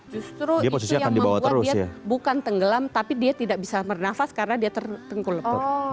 justru itu yang membuat dia bukan tenggelam tapi dia tidak bisa bernafas karena dia tertengku lepuk